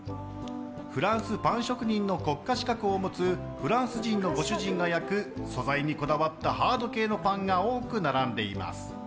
フランスパン職人の国家資格を持つフランス人のご主人が焼く素材にこだわったハード系のパンが多く並んでいます。